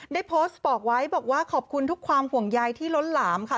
ได้โพสต์บอกไว้บอกว่าขอบคุณทุกความห่วงใยที่ล้นหลามค่ะ